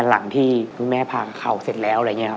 หลังที่คุณแม่ผ่านเข่าเสร็จแล้วอะไรอย่างนี้ครับ